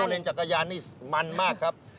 เล่นจักรยานนี่มันมากครับ